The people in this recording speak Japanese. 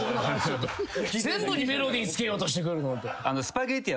全部にメロディーつけようとしてくる。